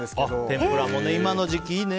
天ぷらも今の時期いいね。